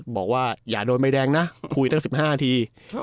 บอกว่าอย่าโดนใบแดงนะคุยตั้ง๑๕ที